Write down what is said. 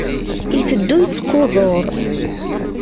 Iteddu yettqudur.